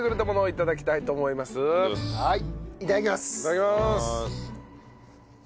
いただきまーす。